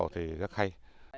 thì rất hay